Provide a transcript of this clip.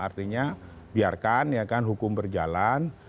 artinya biarkan ya kan hukum berjalan